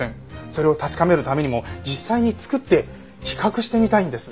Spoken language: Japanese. それを確かめるためにも実際に作って比較してみたいんです。